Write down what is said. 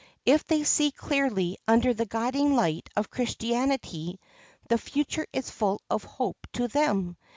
If they see clearly under the guiding light of Christianity the future is full of hope to them.